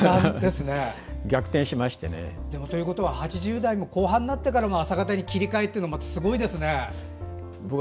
逆転しましてね。ということは８０代も後半になって切り替えっていうのはまたすごいですね。